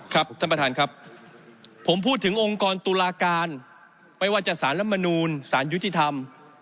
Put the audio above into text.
ท่านประธานครับผมพูดถึงองค์กรตุลาการไม่ว่าจะสารรัฐมนูลสารยุติธรรม